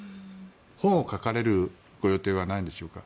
本を書かれるご予定はないんでしょうか。